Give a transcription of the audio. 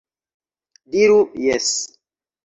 Diru "jes!"